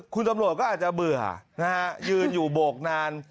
คุณตำรวจก็อาจจะเบื่อนะฮะยืนอยู่โบกนาน